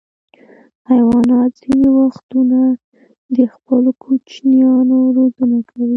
حیوانات ځینې وختونه د خپلو کوچنیانو روزنه کوي.